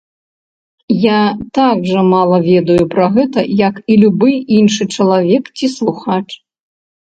Я так жа мала ведаю пра гэта, як і любы іншы чалавек ці слухач.